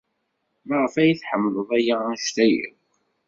Maɣef ay tḥemmled aya anect-a akk?